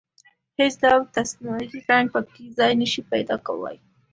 هېڅ ډول تصنعي رنګ په کې ځای نشي پيدا کولای.